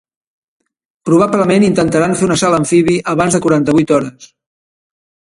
Probablement intentaran fer un assalt amfibi abans de quaranta-vuit hores.